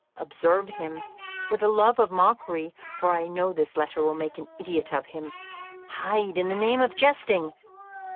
Observe him, for the love of mockery, for I know this letter will make an idiot of him. Hide, in the name of jesting!...